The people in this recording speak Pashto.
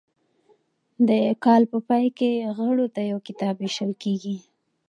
د کال په پای کې غړو ته یو کتاب ویشل کیږي.